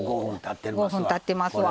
５分たってますわ。